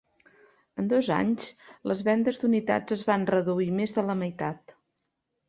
En dos anys, les vendes d'unitats es van reduir més de la meitat.